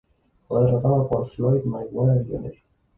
Fue derrotado por Floyd Mayweather Jr.